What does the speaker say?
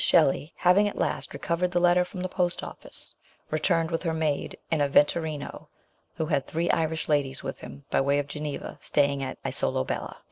Shelley having at last recovered the letter from the Post Office, returned with her maid and a vetturino who had three Irish ladies with him, by way of Geneva, staying at Isola Bella.